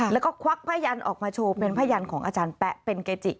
แล้วก็ควักผ้ายันออกมาโชว์เป็นพยันของอาจารย์แป๊ะเป็นเกจิ